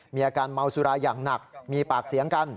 มีอาการเมาสุราอย่างหนักมีปากเสียงกัน